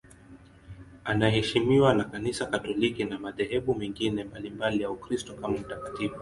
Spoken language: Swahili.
Anaheshimiwa na Kanisa Katoliki na madhehebu mengine mbalimbali ya Ukristo kama mtakatifu.